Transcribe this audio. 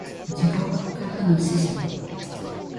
地獄からの使者